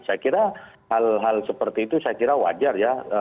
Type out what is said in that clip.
saya kira hal hal seperti itu saya kira wajar ya